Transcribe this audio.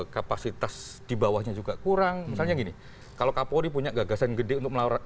kapasitas di bawahnya juga kurang misalnya gini kalau kapolri punya gagasan gede untuk melawan